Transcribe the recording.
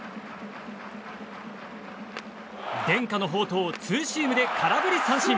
伝家の宝刀、ツーシームで空振り三振！